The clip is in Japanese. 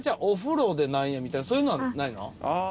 お風呂でみたいなそういうのはないの？